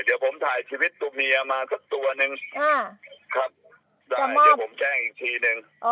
เดี๋ยวผมถ่ายชีวิตตัวเมียมาสักตัวหนึ่งครับได้เดี๋ยวผมแจ้งอีกทีนึง